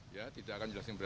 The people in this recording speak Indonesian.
sementara itu tidak apa apa